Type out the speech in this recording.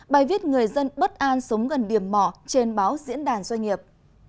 bài viết người dân bất an sống gần điểm mỏ trên báo diễn đàn doanh nghiệp